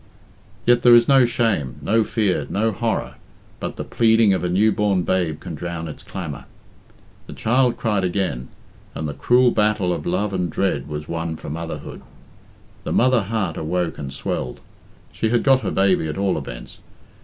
Yet there is no shame, no fear, no horror, but the pleading of a new born babe can drown its clamour. The child cried again, and the cruel battle of love and dread was won for motherhood. The mother heart awoke and swelled. She had got her baby, at all events.